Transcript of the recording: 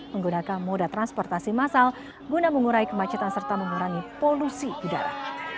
menggunakan moda transportasi masal guna mengurai kemacetan serta mengurangi polusi udara